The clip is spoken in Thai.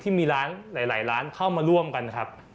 ที่มีร้านหลายร้านเข้ามาร่วมกันครับ